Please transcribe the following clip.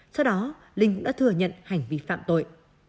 sau đó linh cũng đã thừa nhận hành vi phạm tội